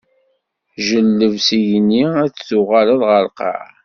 Jelleb s igenni, ad d-tuɣaleḍ ɣeṛ lqaɛa.